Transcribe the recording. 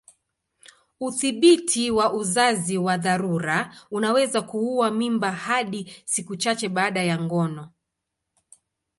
Udhibiti wa uzazi wa dharura unaweza kuua mimba hadi siku chache baada ya ngono.